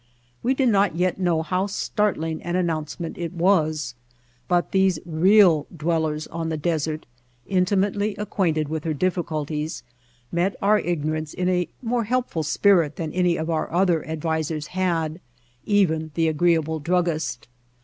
We did not yet know how startling an announcement it was; but these How We Found Mojave real dwellers on the desert, intimately acquainted with her difficulties, met our ignorance in a more helpful spirit than any of our other ad visers had, even the agreeable druggist.